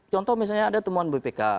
contoh misalnya ada temuan bpk